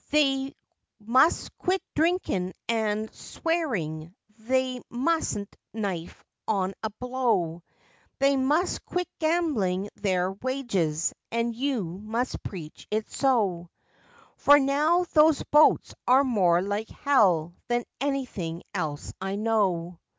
"They must quit drinkin' an' swearin', they mustn't knife on a blow, They must quit gamblin' their wages, and you must preach it so; For now those boats are more like Hell than anything else I know."